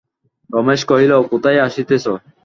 রমেশ কহিল, কোথায় আসিতেছ?